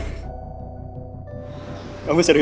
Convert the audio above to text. aku mau jadi pacar kamu